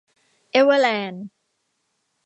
เอเวอร์แลนด์